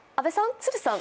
都留さん？